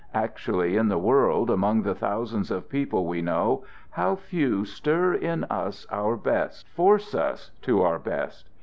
Actually in the world, among the thousands of people we know, how few stir in us our best, force us to our best!